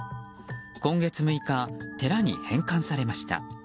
今月６日、寺に返還されました。